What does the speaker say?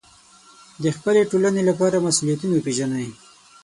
د خپلې ټولنې لپاره مسوولیتونه وپېژنئ.